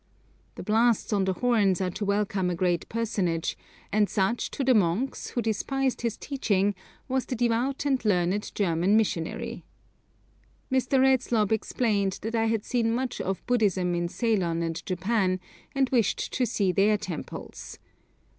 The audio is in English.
The blasts on the horns are to welcome a great personage, and such to the monks who despised his teaching was the devout and learned German missionary. Mr. Redslob explained that I had seen much of Buddhism in Ceylon and Japan, and wished to see their temples.